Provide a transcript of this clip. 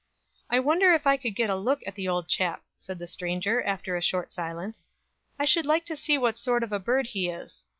"I wonder if I could get a look at the old chap," said the stranger, after a short silence; "I should like to see what sort of a bird he is."